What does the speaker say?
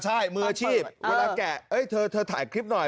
ใช่มืออาชีพเวลาแกะเธอถ่ายคลิปหน่อย